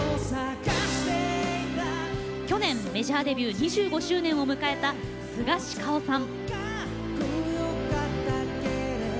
去年メジャーデビュー２５周年を迎えたスガシカオさん。